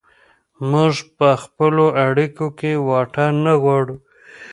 موږ په خپلو اړیکو کې واټن نه غواړو.